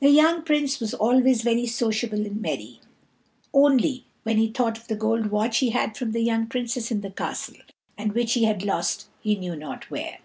The young Prince was always very sociable and merry, only when he thought of the gold watch he had from the young Princess in the castle, and which he had lost he knew not where.